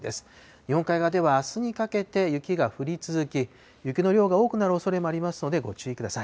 日本海側ではあすにかけて雪が降り続き、雪の量が多くなるおそれもありますので、ご注意ください。